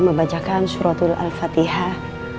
membacakan suratul al fatihah